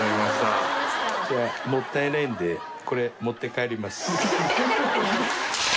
じゃあもったいないんでこれ持って帰ります。